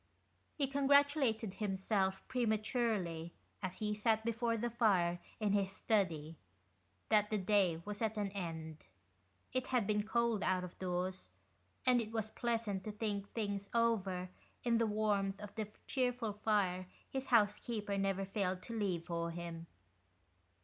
He congratulated himself, prematurely, as he sat before the fire in his study, that the day was at an end. It had been cold out of doors, and it was pleasant to think things over in the warmth of the cheerful fire his housekeeper never failed to leave for him.